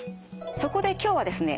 そこで今日はですね